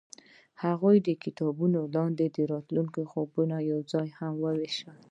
هغوی د کتاب لاندې د راتلونکي خوبونه یوځای هم وویشل.